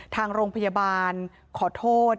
ทางโรงพยาบาลขอโทษ